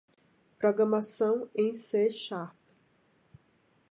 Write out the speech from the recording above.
Programação em C Sharp.